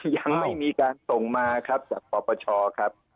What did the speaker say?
ยังไม่มีการส่งมาครับจากปปชครับ